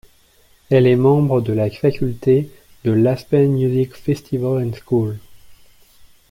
Elle est membre de la faculté de l'Aspen Music Festival and School.